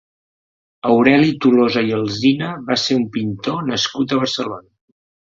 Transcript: Aureli Tolosa i Alsina va ser un pintor nascut a Barcelona.